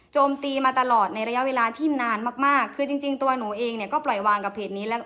ตีมาตลอดในระยะเวลาที่นานมากมากคือจริงจริงตัวหนูเองเนี่ยก็ปล่อยวางกับเพจนี้แล้ว